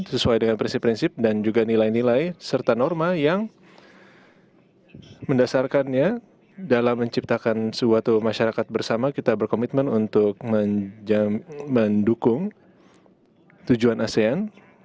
sesuai dengan prinsip prinsip dan juga nilai nilai serta norma yang mendasarkannya dalam menciptakan suatu masyarakat bersama kita berkomitmen untuk mendukung tujuan asean